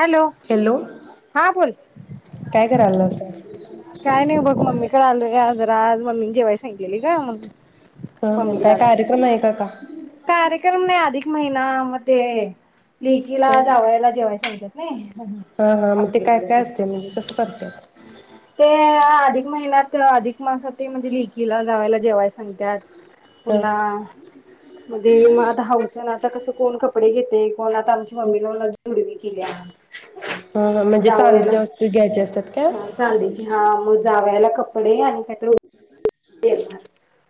Hello, hello हां बोल काय करायलास काय नई बघ मम्मी इकडं आलुया जरा आज मम्मी जेवायचं दिली गं मम ह मम्मी ह कड काय आलते, कार्यक्रम आहे का का कार्यक्रम नाही आदी महिना मध्ये लेकी ला, जावायला जेवाय सांग हां हां म ते काय काय असते, मनजे कसं कर [unintelligible] ते अधिक महिन्यात अधिक मांसात ते म्हणजे लेकीला जावायला जेवाय सांगत्यात ह पुन्हा म्हणजे म आता हाऊसन आता कसं कोण कपडे घेतंय कोण आता आमची मम्मीला न जुडवी केल्या हं-हं, म्हणजे चांदीच्या वस्तू द्यायच्या असतात काय? आणि बी ची हां वो जा जावयाला कपडे आणि काहीतरी [unintelligible]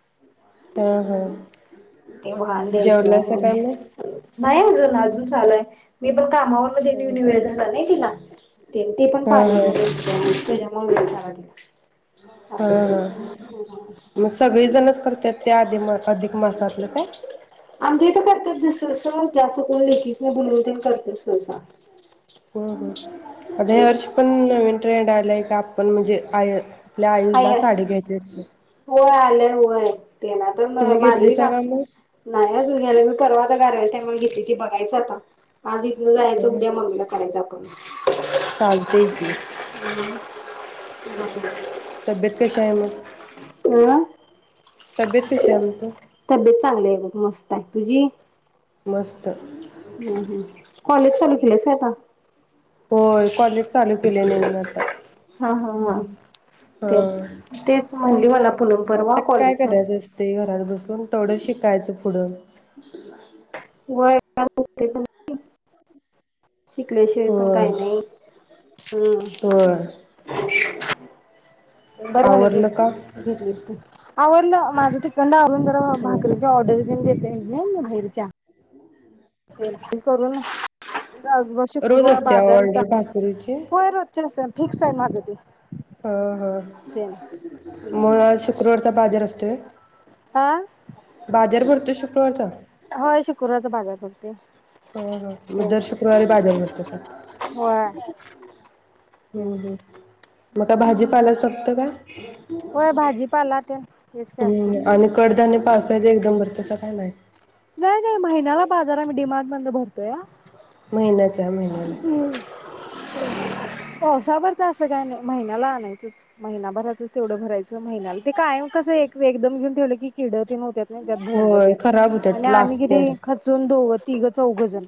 हम् हम् ते, वान द्यायचं म्हणे मग नाहीजून अजून चालू आय मी बघ काना वय द न्यू नी वय झालंय तीला ते-ते पण हा हा पार्लर मध्ये [unintelligible] [unintelligible] हां हां, असं म सगळी जणच करत्यात त्या आधी म अधिक मासातलं काय? आमच्या इथं करत्यात दुसरं स्टाॅल त्यांचं कुळळेकीस बुलेटिन करते सहसा हो हो आता यावर्षी पण नवीन ट्रेंड आलाय का आपण म्हणजे आय आपल्या आई ला साडी घ्यायची असते. हो आलंय व व्हय तेना तर मय तुम्ही माझं ही घेतलीसा का, मग नाही अजून नेरवीतला ते [unintelligible] ते बघायचं आता, आज इथनं जायच उद्या मम्मीला करायचं आपण, चालतंय की हं हम् [unintelligible] तब्येत कशी आहे मग? आं तब्येत कशी म्हण तू? तब्येत चांगली आहे बघ मस्त आहे तुझी. मस्त. हम्म हम् कॉलेज चालू केलेस आहे आता? होय कॉलेज चालू केलेय नवीन आता हा हां हां हा ते तेच म्हणली मला पुनम परवा आता काय कॉलेज करायचं चालू असते घरात बसून. पन तेवड शिकायचं पुढं. व्हय [unintelligible] शिकल्याशिवय पण होय काय नई. होय हम् बरं झालं आवरलं का घे घेतलीस ते. आवरलं माझ तिकडं आलो जरा भाकरीच्या ऑर्डरी तेन घेतोय नई मी भहीरच्या. करूून जा आजवार रोज शुक्रवार असते बाजार हुता. ऑर्डर भाकरीची होय रोजच्या अशा फीक्स हाय माझं ते. ह ह ते मग आज शुक्रवारचा बाजार असतोय व्हय? हा बाजार भरतोय शुक्रवारचा? होय शुक्रवारचा बाजार भरते ते हा हा मग दर शुक्रवारी बाजार भरतो स व्हय हम्म हम्म मग काय भाजीपाला फक्त का होय भाजीपाला तेन हेचका अस्तच. हम्म आणि कडधान्य पावसाळ्यात एकदम भारतायसा काय नाय? नाही नाही महिन्याला बा जरा आमी डिमार्ट मधन भरतोया मेहनत त्या महिन्याने पावसाळा भरच असं काय नाही. महिन्याला आणायचंच महिनाभराचच तेवढं भरायचं महिन्याला ते कायम कसं एकदम घेऊन ठेवलं की किड तेन होत्या हुत्यात नई त्यात भोंग होय तेन खराब होतात आणि आम्ही लाकड किती खचून दोघं तिघ चौघजन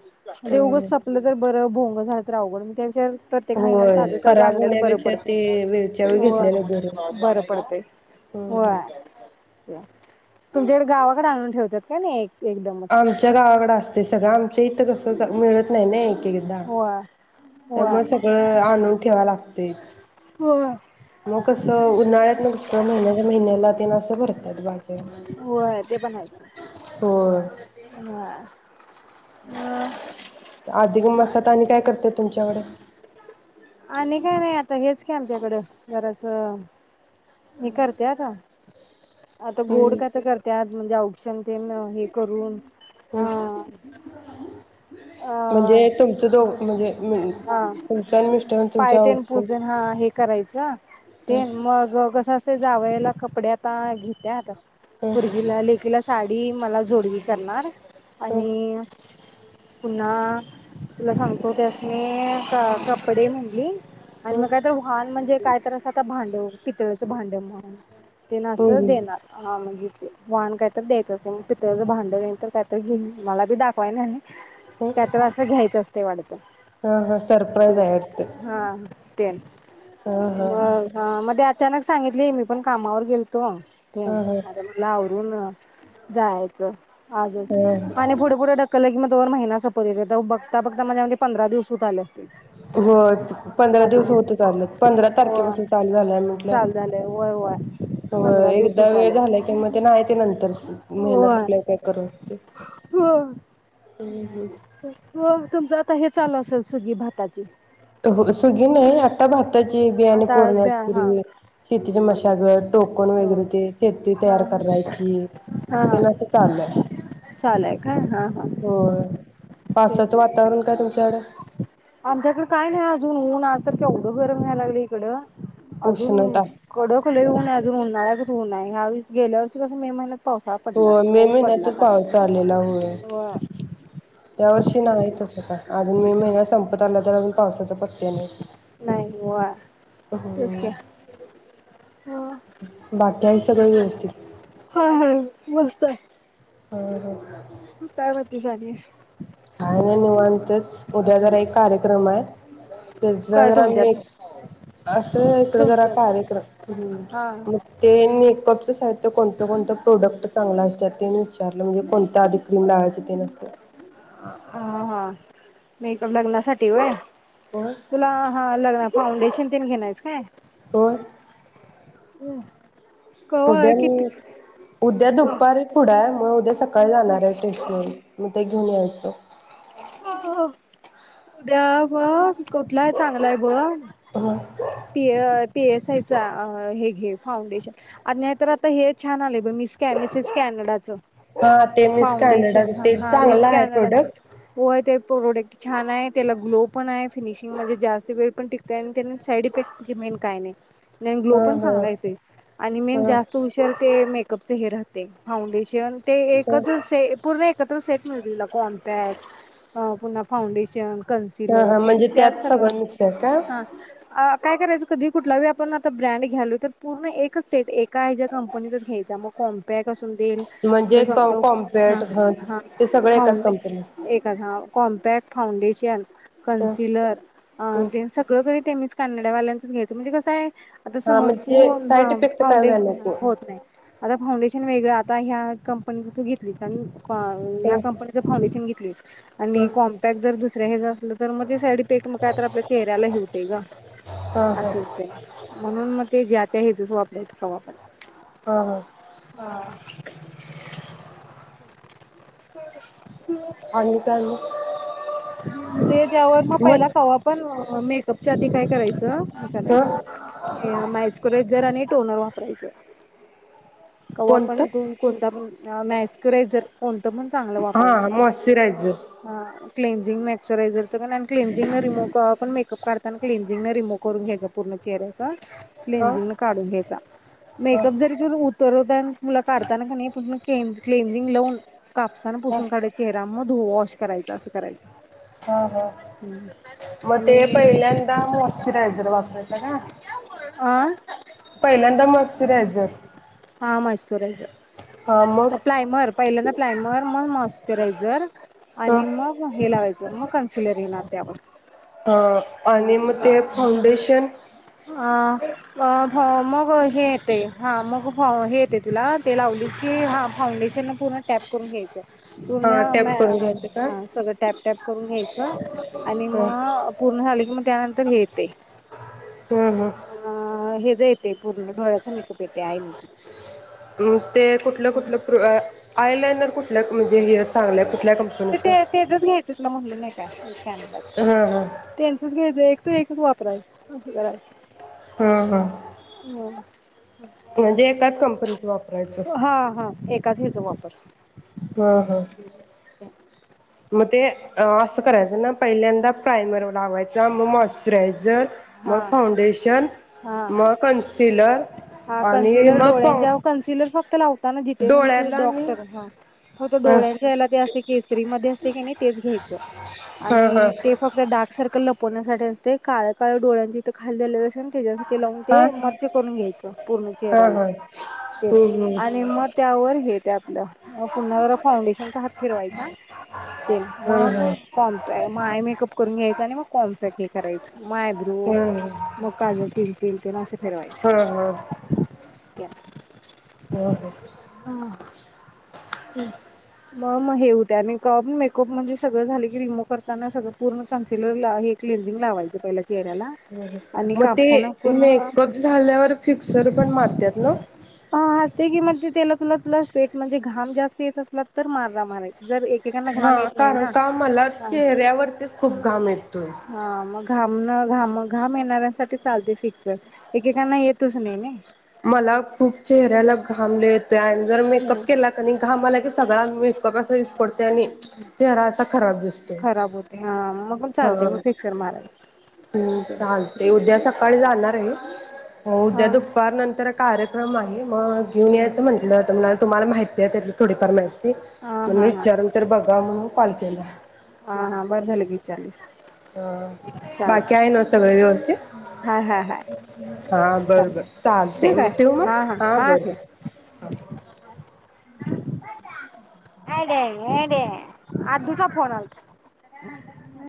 ते उगच हम्म संपलं तर झाल तर अवघड च मग त्यापेक्षा प्रत्येक महिन्याला होय ताज ताज खराब आणलेल बरं होण्यापेक्षा पडते. ते वेळच्या वेळी घेतलेलं बरं व्हय बरं पडते हम्म हम्म व्हय. तुमच्याकड गावाकड आणून ठेवत्यात कणी आमच्या गावाकड असतय सगळं आमच्या इथं कस मिळत नाय नाय एगदा होय. होय त्यामुळे सगळ आणून ठेवाय लागतंय तेच हो मग कसं उन्हाळ्यात न कस महिन्याच्या महिन्याला भरत्यात बाकी काय नाइ होय ते पण आहेच होय होय. मग आधिक मासात आणि काय करत्यात तुमच्याकडे आणि काय नाही आता हेच की आमच्याकडे गरज च मी करते आता आता गोड हम्म काय तर करत्यात आपण जाऊ. शेंग तेन हे करून हम्म हा अ म्हणजे तुमचं दो म्हणजे हा तुमचं आणि मिस्टर आणि तुमच्या पायतेन पूजन हा हे करायचं हं तेन मग कसं ते जावयाला कपडे आता घेत्यात हं पोरगीला लेकीला सा ती मला जोडवी करणार हं आणि पुन्हा तुला सांगतो त्यासनी कपडे म्हणली आणि हं मग काय तर वाहान म्हणजे काय तर असं आता भांडव पितळच भांड म्हण तेन असं हं देणार हा म्हणजे वाहन काय तर द्यायच असतय म्हणून पितळच भांड नाय तर काय तर घेईन मला बी दाखवाय नेल नाय हं त्या तर असं घ्यायचं असतय वाटत हा हा सरप्राईज आहे वाटतं हा त्यान हा हा मग हा मध्ये आ अचानक सांगितली मी पण कामावर गेलतो हा हा अरे म्हणलं आवरून जायचं आजच ह आणि पुढे पुुढं ढ कलैगमत [unintelligible] दोन महिना सपत येतंय तेव्हा बघ बघता बघता म्हणजे पधरा दिवस हूत आल्यास होय पंधरा दिवस होतच आल्यात, पंधरा होय तारखेपासून चालू झालंय म्हटल्यावर, चालू झालंय होय होय हो पंधरा दिवस एकदा होत वेळ आलेत. झालाय किं म ते नाही ते नंतर महिना होय सप्लावर काय करून होतय हो हुं हुं हो तुमचं आता हे चालू असेल सुगी भाताची तो हो सुगी नाही आहेत आता भाताची बियाणे आता हा पुरण्याची शेतीचे मशागत टोकण हो वगैरे ते शेती तयार हा हा करायची, ते हा ना अस चाललंय, चालू आहे काय हा हा होय पावसाचं तेच वातावरण काय तुमच्याकडे आमच्याकडे काय नाही आज ऊन आज तर केवढ गर व्हाय लागलय इकड अजून उष्णता कडक लय ऊन आहे उन्हाळ्या गत ऊन आहे यावेळीस गेल्या वर्षी मे महिन्यात पावसाळा हो पडला मे पाऊस पडला महिन्यातच होता. पाऊस चालेला होय होय त्यावर्षी नाही तसं काय अजून मे महिना संपत आला तर अजून पावसाचा पत्या नाही नाही होय तेच की हम्म होय. बाकी आहे सगळ व्यवस्थित हाय हाय मस्त आहे हो हो तू काय म्हणतेस आणि? काय नाय निवांतच, उद्या जरा एक कार्यक्रम आहे, त्याचा काय जरा तुमच्यात मेक असं इकड जरा तुमच्यात कार्यक्रम ह हा मग ते मेकअपच साहित्य कोणतं-कोणतं प्रोडक्ट चांगला असते ते विचारलं म्हणजे कोणत्या आदी क्रीम लावयचं ते न असं हा हा हा मेकअप लग्नासाठी व्हय होय तुला हा हा लागणार फाउंडेशन तेन घेणार आहेस काय? होय हम् उद्या मी उद्या दुपारी पुढं आहे मग उद्या सकाळी जाणार आहे टेशन मग ते धुण्यायचा हो हो उद्या ब कुठला चांगला आहे ब ह पी ए पी ए सा चा हे घे फाउंडेशन नाहीतर आता हे छान आले ब मीसकॅनचा मिसकॅनडाचा हा ते मिस कॅनडा ते हा मिस चांगलं आहे कॅनडाचं प्रोडक्ट होय ते प्रोडक्ट छान आहे, त्याला ग्लो पण आहे, फिनिशिंग मधे जास्त वेळ पण टिकतय आणि त्यानी साइड इफेक्ट मेन काय नाही. नाही ग्लो हा पण हा. चांगला येतोय आणि मेन हा जास्त उशर ते मेक कप च हे राहतय फाऊंडेश जेवन ते एकच से पूर्ण एकत्र सेट मिळतोय कॉमपॅट अ पुन्हा फाउंडेशन हा कन्सिलर हा तेन म्हणजे त्याच त्यात सगळं मिक्स आहे का? हा आ काय करायचं? कधी कुठलाही वी आपण आता ब्रँड घ्यालोय तर पूर्ण एकच सेट एक काय ज्या कंपनीचाच घ्यायचा मग कॉम्पॅक असून देईल तुला म्हणजे सांगतो हा कॉम्पॅट हा ते सगळं एकाच फाउंडेश कंपनी एकचा कॉम्पॅक्ट फाउंडेश कॅन कन्सिलर ते सगळं काहीत्यांनीच काढलेत. ल्यांच घ्यायच म्हणजे कस हाय आता हा समज म्हणजे तू साईड इफेक्ट काय फाऊंडे व्हाय नको. होत नाही फाऊंडेशन वेगळ आता या कंपनी च तू घेतली आणि ह्या ह कंपनीचं फाउंडेशन घेत ह आणि कॉम्पॅक्ट जर दुसऱ्या हेच तर मग ते साईड इफेक्ट मग का आपल्या चेहऱ्याला हे होतय ग हा हा अस हूतय ग म्हणून मग ते ज्या त्या हजच वापरायचे कवा पण हा हा [unintelligible] आणि काय मग ते त्यावर म पहिला मग क्हा पण मेकअपच्या आधी काय करायचं हे ह करायचं मॅस्क्युरायझर आणि टोनर वापरायचं कवा्हा पण त कोणतं कोणता पण मॅस्क्युरायझर कोणतं पण चांगलं हा वापरायचं मॉइश्चरायझर हा क्ंजिंगस्चराझर तिथं कनाइ क्लिनजिंगन रिमूव कवा पण कप काढ क्लेनझिंग न रिमूव करून घ्यायचा पूर्ण चेहऱ्याचा हा क्लेंझिंग न काढून घ्यायचा हा मेकअप जरी उतरू त्यानं मु काढताना क्लिंनझिंग लावून का सा हा पुसून काढायचा चेहरा म धु वाश करायचं असं करायच हा हा मग ते पहिल्यांदा मॉइस्चराइज़र वापरायच का अ पहिल्यांदा माॉश्चरायझर हा मॉइस्चराइज़र प्लायमर पहिल्यांदा प्लायमर मग मॉइशचराझर अ ह नि मग हे लावायच जर मग कनसिलरिंग ना त्यावर अ आणि मग ते फाउंडेशन अ ह मग हे येतंय हा मग हेे येते तुला ते लावलीस की हा फाउंडेशन न पूर्ण टॅप करून घ्यायच पूर्ण हा म टॅप करून घ्यायचं का? हा सगळ टॅप टॅप करून घ्यायच आणि ह मग पूर्ण झाली की मग त्यानंतर हेे अ हम् हे जे ते पूर्ण डोळ्याच मेअपये ते कुठल कुठल पृ आयलाइनर कुठ लक म्हणजे हे चांगल्या कुठल्या ते ते कंपनीचं? त्याजच घ्यायच तुला म्हणल नाय काय हा हा त्यांचच घ्यायच एक ते एक वापरायय हम्म हम्म [unintelligible] म्हणजे एकाच कंपनीच वापरायचं हा [unintelligible] वापर हम हम म ते अ अस करायच ना पहिल्यांदा पायमर लावायचा म मॉस्चरायझर मग हा फाउंडेशन हा मग कनसी हा कन्सिलर डोळ्यांच्या कन्सिलर फक्त लावताना जिथे म्हणजे तुझ डोळ्याला आणि डॉक्टर हा त हा डोळ्यांच्या याला ते असे केसरी मध्ये असत काय नाय तेच घ्यायच हा हा आणि ते फक्त डार्क सर्कल लपवण्यासाठी असतय. काळ काळ डोळ्यांच इथ खाली झालेल असं त्याज्यासाठी लावून हा ते म घ्यायचा पूर्ण हा हा चेहऱ्याला हम्म आणि मग त्यावर ते आपल पुन्हा जरा फाउंडेशनचा हात फिरवायचा ते हम्म हा मग हा कॉम्प म आय मेकअप करून घ्याय आणि मग कॉन्पॅक्ट हे करायच म आयब्रो म काजळ तीट [unintelligible] असल बरं बरं रिकामा ऑडिओ हम म म हे होते आणि मेकअप म्हणजे सगळ झाले की रिमूव्ह करताना सगळ पूर्ण कन्सिलर ला हे क्लीन लावायचा पहिला चेहऱ्याला आणि मग ते कापसान पुर्ण मेकअप झाल्यावर पुसू फिक्सर पण मारतात ना [unintelligible] घाम जास्त येत असला तर माझा मारायचा. जर एकेकांना हा घाम येत नाही कारण ना का मला चेहऱ्यावरतीच खूप घाम येतोय. हा मग घाम घाम घाम येणाऱ्यांसाठी चालते की एकेकांना येत तसं नाही नई मला खूप चेहऱ्याला घाम लई येतोय. ते आणि जरा मेकअप केला की नाइ घाम आला की सगळाच मग अस विसकटतोय आणि आणि चेहरा असा खराब दिसतो खराब होते हा मग पण हा चालते मग फिक्सर मारायच हम् चालतय उद्या सकाळी जाणार आहे उद्या हा दुप तर कार्यक्रम आहे मग घेऊन यायचं म्हटलं त्यांना तुम्हाला माहि [unintelligible] थोडीफार माहिती हा म्हणून हा हा विचारून तर बघूया म्हणून कॉल केला हा हा बरं झालं घे विचारलीस हा. बाकी चालत आहे ना सगळे व्यवस्थित हा बर चालेल बर ठीक चालतंय आहे ठेवू हां मग हां हा बर बर आयडे आयड्या आधीचा फोन आलता